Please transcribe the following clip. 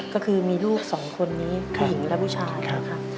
ก็คือมีลูกสองคนนี้ผู้หญิงและผู้ชายนะครับ